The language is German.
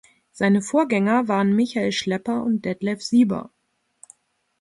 Seine Vorgänger waren Michael Schlepper und Detlev Sieber.